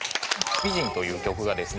『美人』という曲がですね